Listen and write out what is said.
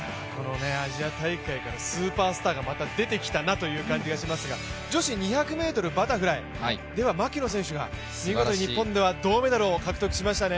アジア大会からスーパースターがまた出てきたなという感じがしますが女子２００ｍバタフライでは牧野選手が見事銅メダルを獲得しましたね。